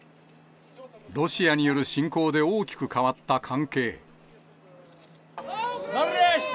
ロシアによる侵攻で大きく変わった関係。